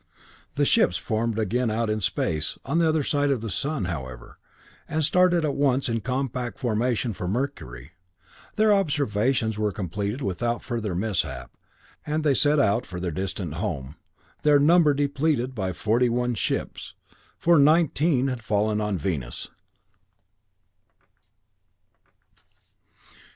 The ships formed again out in space, on the other side of the sun, however, and started at once in compact formation for Mercury. Their observations were completed without further mishap, and they set out for their distant home, their number depleted by forty one ships, for nineteen had fallen on Venus.